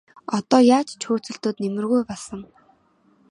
Одоо яаж ч хөөцөлдөөд нэмэргүй болсон.